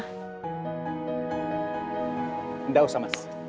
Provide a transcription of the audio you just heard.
nggak usah mas